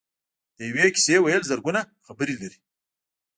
د یوې کیسې ویل زرګونه خبرې لري.